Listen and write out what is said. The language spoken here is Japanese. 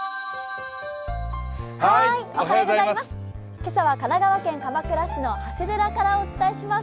今朝は神奈川県鎌倉市の長谷寺からお伝えします。